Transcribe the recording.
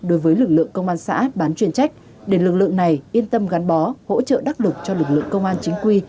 đối với lực lượng công an xã bán chuyên trách để lực lượng này yên tâm gắn bó hỗ trợ đắc lực cho lực lượng công an chính quy